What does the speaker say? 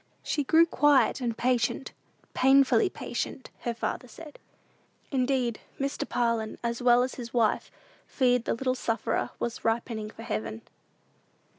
She grew quiet and patient "painfully patient," her father said. Indeed, Mr. Parlin, as well as his wife, feared the little sufferer was ripening for heaven.